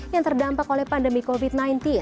yang terdampak oleh pandemi covid sembilan belas